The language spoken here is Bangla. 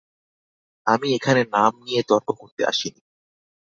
আমি এখানে নাম নিয়ে তর্ক করতে আসিনি।